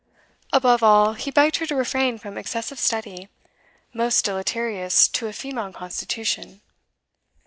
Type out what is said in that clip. Above all, he begged her to refrain from excessive study, most deleterious to a female constitution.